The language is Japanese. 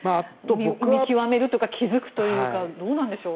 見極めるというか気付くというかどうなんでしょう。